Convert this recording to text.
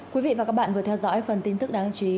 quý vị và các bạn vừa theo dõi phần tin tức đáng chú ý